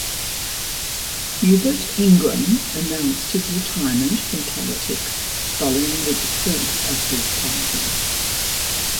Hubert Ingraham announced his retirement from politics following the defeat of his party.